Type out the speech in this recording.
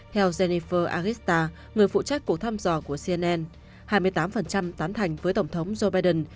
theo genefer agrista người phụ trách cuộc thăm dò của cnn hai mươi tám tán thành với tổng thống joe biden